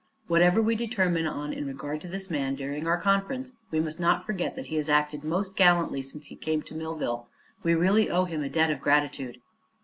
Whatever we determine on in regard to this man, during our conference, we must not forget that he has acted most gallantly since he came to Millville. We really owe him a debt of gratitude."